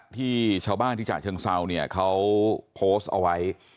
ที่ชาวบ้านที่ฉะเชิงเซาเนี่ยเขาโพสต์เอาไว้